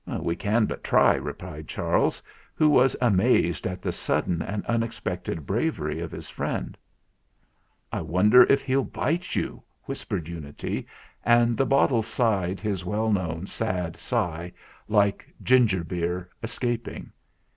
THE GALLOPER 213 "We can but try," replied Charles, who was amazed at the sudden and unexpected bravery of his friend. "I wonder if he'll bite you?" whispered Unity, and the bottle sighed his well known sad sigh, like ginger beer escaping.